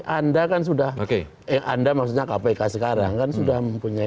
anda kan sudah anda maksudnya kpk sekarang kan sudah mempunyai